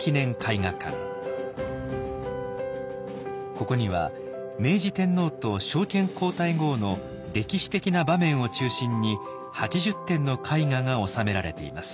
ここには明治天皇と昭憲皇太后の歴史的な場面を中心に８０点の絵画が収められています。